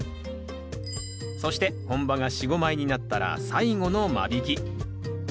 そして本葉が４５枚になったら最後の間引き。